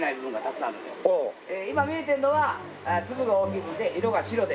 今見えてるのは粒が大きいので色が白で。